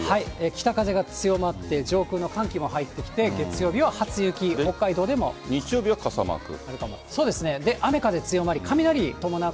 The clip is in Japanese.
北風が強まって、上空の寒気も入ってきて、月曜日は初雪、日曜日は傘マーク。